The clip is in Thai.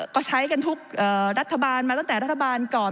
ก็ใช้กันทุกรัฐบาลมาตั้งแต่รัฐบาลก่อน